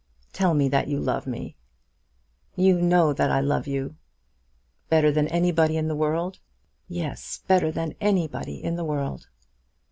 "Tell me that you love me." "You know that I love you." "Better than anybody in the world?" "Yes; better than anybody in the world."